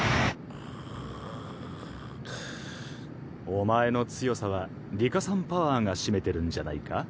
お前の強さは里佳さんパワーが占めてるんじゃないか。